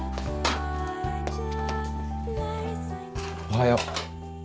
おはよう。